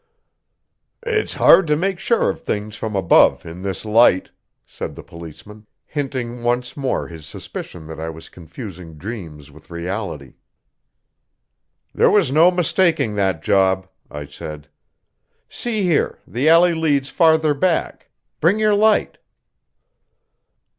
"It's hard to make sure of things from above in this light," said the policeman, hinting once more his suspicion that I was confusing dreams with reality. "There was no mistaking that job," I said. "See here, the alley leads farther back. Bring your light."